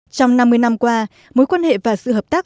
trong năm mươi năm qua mối quan hệ và sự hợp tác